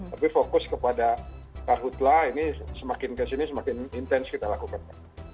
tapi fokus kepada karhutlah ini semakin kesini semakin intens kita lakukan